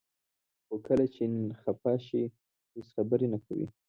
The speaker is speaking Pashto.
خو کله چې خفه شي هیڅ خبرې نه کوي.